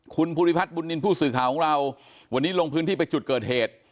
คุณภูริพัฒนบุญนินทร์ผู้สื่อข่าวของเราวันนี้ลงพื้นที่ไปจุดเกิดเหตุ